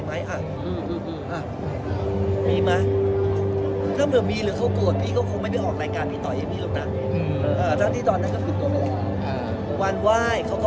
บางทีเราเล่าอะไรฟังแล้วว่าเราบวกเขามาเป็นเรื่องเดียวกัน